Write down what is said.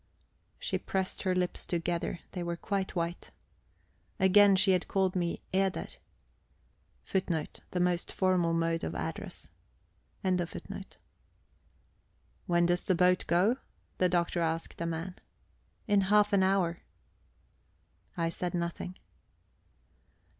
She pressed her lips together; they were quite white. Again she had called me "Eder." [Footnote: The most formal mode of address.] "When does the boat go?" the Doctor asked a man. "In half an hour." I said nothing.